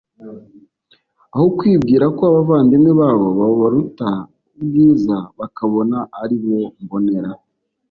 aho kwibwira ko abavandimwe babo babaruta ubwiza, bakabona ari bo mbonera.